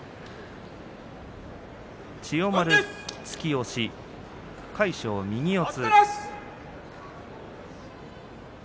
千代丸は突き押し魁勝は右四つ。